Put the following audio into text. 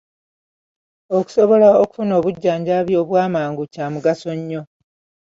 Okusobola okufuna obujjanjabi obw’amangu kya mugaso nnyo.